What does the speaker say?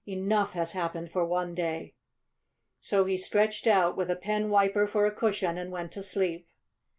Enough has happened for one day." So he stretched out, with a pen wiper for a cushion, and went to sleep.